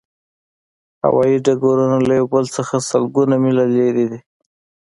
هوایی ډګرونه له یو بل څخه سلګونه میله لرې دي